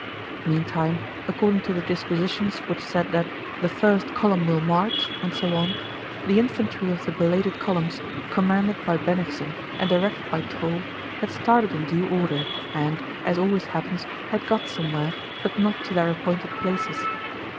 Meantime, according to the dispositions which said that "the First Column will march" and so on, the infantry of the belated columns, commanded by Bennigsen and directed by Toll, had started in due order and, as always happens, had got somewhere, but not to their appointed places.